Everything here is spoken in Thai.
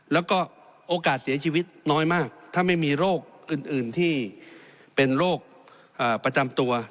แล้วก็โอกาสเสียชีวิตน้อยมากถ้าไม่มีโรคอื่นที่เป็นโรคประจำตัว